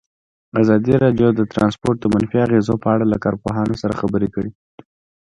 ازادي راډیو د ترانسپورټ د منفي اغېزو په اړه له کارپوهانو سره خبرې کړي.